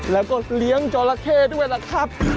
แล้วก็เลี้ยงจราเข้ด้วยล่ะครับ